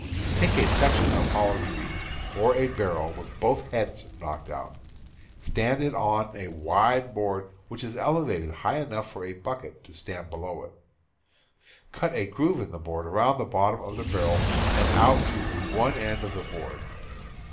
Take a section of hollow tree, or a barrel with both heads knocked out. Stand it on a wide board that is elevated high enough for a bucket to stand below it. Cut a groove in the board around the bottom of the barrel and out to one end of the board.